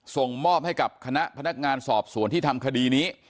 ส่งมอบให้กับคณะพนักงานสอบสวนที่ทำคดีนี้